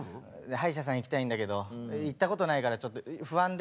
歯医者さん行きたいんだけど行ったことがないからちょっと不安で。